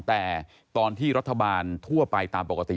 แต่ตอนที่รัฐบาลทั่วไปตามปกติ